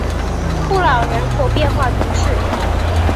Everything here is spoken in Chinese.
库朗人口变化图示